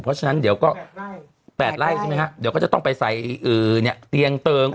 เพราะฉะนั้นเดี๋ยวก็แปดไล่ใช่ไหมครับเดี๋ยวก็จะต้องไปใส่เตียงเติง